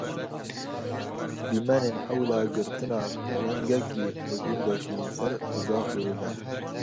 Dîmenên hewla girtina pilengekî li gundekî ser bi Zaxoyê ve.